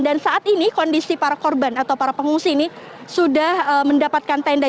dan saat ini kondisi para korban atau para pengungsi ini sudah mendapatkan tenda